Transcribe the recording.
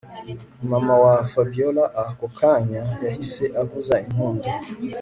Mama wa Fabiora ako kanya yahise avuza impundu